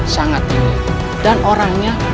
sangat tinggi dan orangnya